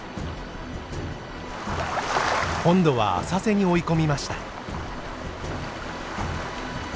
今度は浅瀬に追い込みました。